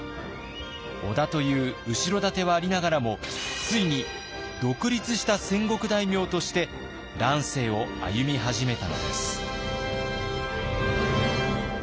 織田という後ろ盾はありながらもついに独立した戦国大名として乱世を歩み始めたのです。